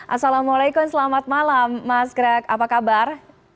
assalamualaikum selamat malam mas greg apa kabar